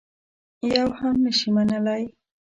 یوه هم نه شي منلای.